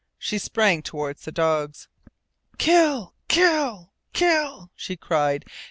She sprang toward the dogs. "KILL! KILL! KILL!" she cried.